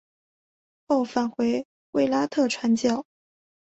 后返回卫拉特传教。